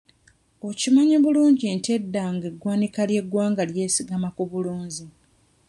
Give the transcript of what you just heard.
Okimanyi bulungi nti edda nga eggwanika ly'eggwanga lyesigama ku bulunzi?